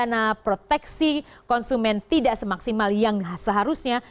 kecuali kebocoran dana proteksi konsumen tidak semaksimal yang seharusnya